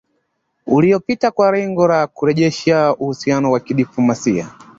uliopita kwa lengo la kurejesha uhusiano wa kidiplomasia